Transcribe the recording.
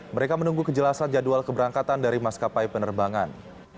mereka menunggu kejelasan jadwal keberangkatan dari maskapai penerbangan